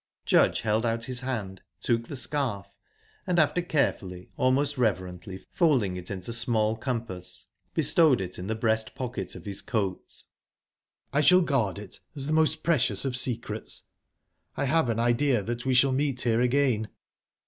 Judge held out his hand, took the scarf, and, after carefully, almost reverently folding it into small compass, bestowed it in the breast pocket of his coat. "I shall guard it as the most precious of secrets...I have an idea that we shall meet here again."